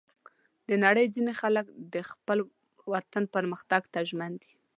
د نړۍ ځینې خلک د خپل وطن پرمختګ ته ژمن دي.